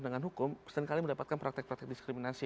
dengan hukum seringkali mendapatkan praktek praktek diskriminasi